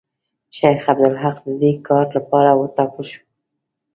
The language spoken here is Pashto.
شیخ عبدالحق د دې کار لپاره وټاکل شو.